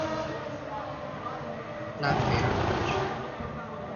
拉斐尔故居。